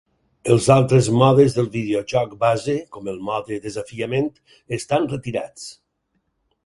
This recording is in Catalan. Els altres modes del videojoc base com el Mode Desafiament estan retirats.